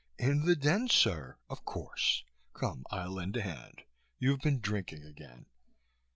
"In the den, sir, of course. Come, I'll lend a hand. You've been drinking again."